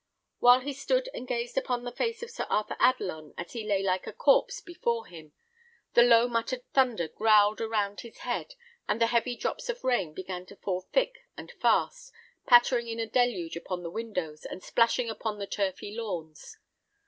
While he stood and gazed upon the face of Sir Arthur Adelon, as he lay like a corpse before him, the low muttered thunder growled around his head, and the heavy drops of rain began to fall thick and fast, pattering in a deluge upon the windows, and splashing upon the turfy lawns.